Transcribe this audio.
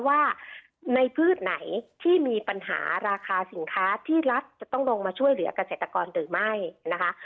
ว่าในพืชไหนที่มีปัญหาราคาสินค้าที่รัฐจะต้องลงมาช่วยเหลือกเกษตรกรหรือไม่นะคะ